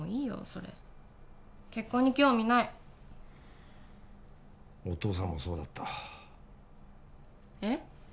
それ結婚に興味ないお父さんもそうだったえっ？